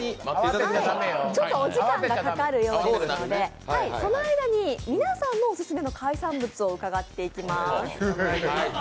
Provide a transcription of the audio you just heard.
ちょっとお時間がかかるようですので、その間に皆さんにオススメの海産物を伺っていきます。